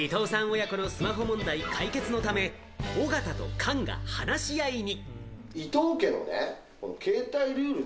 親子のスマホ問題解決のため、尾形と菅が話し合いに。